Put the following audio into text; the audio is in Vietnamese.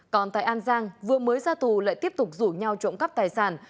còn tại an giang vừa mới ra tù lại tiếp tục rủ nhau trộm cắp tài sản